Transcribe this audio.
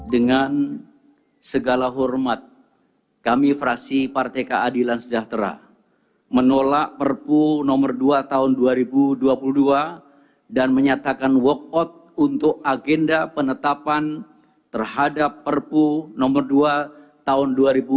dengan segala hormat kami fraksi partai keadilan sejahtera menolak perpu nomor dua tahun dua ribu dua puluh dua dan menyatakan walkout untuk agenda penetapan terhadap perpu nomor dua tahun dua ribu dua puluh